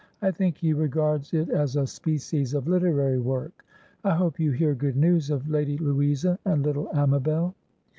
I think he regards it as a species of literary work. I hope you hear good news of Lady Louisa and little Amabel?"